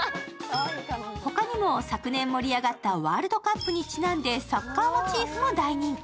他にも昨年盛り上がったワールドカップにちなんでサッカーモチーフも大人気。